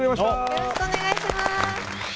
よろしくお願いします。